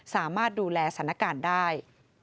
สามารถดูแลสถานการณ์ได้